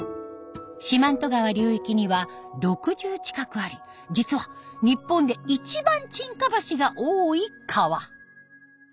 四万十川流域には６０近くあり実は日本で一番沈下橋が多い川。